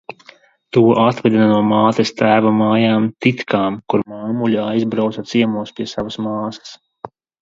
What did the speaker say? "To atveda no mātes tēva mājām "Titkām", kur māmuļa aizbrauca ciemos pie savas māsas."